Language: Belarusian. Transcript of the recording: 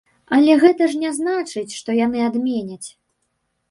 Але гэта ж не значыць, што яны адменяць.